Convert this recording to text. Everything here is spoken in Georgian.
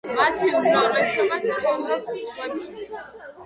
მათი უმრავლესობა ცხოვრობს ზღვებში.